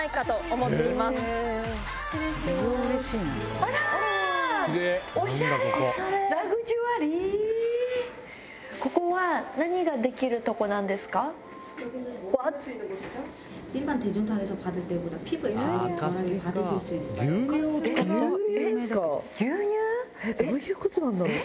あら！どういうことなんだろう？